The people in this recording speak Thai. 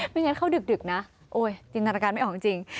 ไม่งั้นเข้าดึกนะโอ้ยจินตนาการไม่ออกจริง